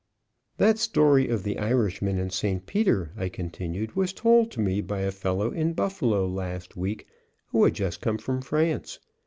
"That story of the Irishman and St. Peter," I continue, "was told to me by a fellow in Buffalo last week who had just come from France.